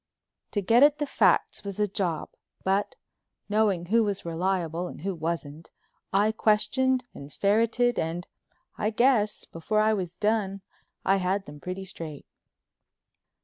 To get at the facts was a job, but, knowing who was reliable and who wasn't, I questioned and ferreted and, I guess, before I was done I had them pretty straight.